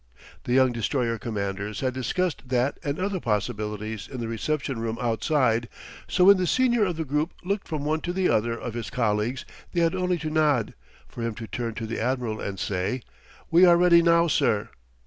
The young destroyer commanders had discussed that and other possibilities in the reception room outside, so when the senior of the group looked from one to the other of his colleagues they had only to nod, for him to turn to the admiral and say: "We are ready now, sir."